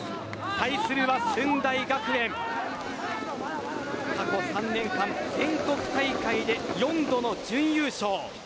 対するは駿台学園過去３年間全国大会で４度の準優勝。